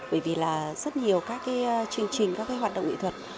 bởi vì là rất nhiều các chương trình các hoạt động nghệ thuật